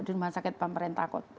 di rumah sakit pemerintah kok